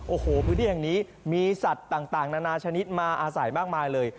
โอ้โหพื้นที่แห่งนี้มีสัตว์ต่างนานาชนิดมาอาศัยมากมายเลย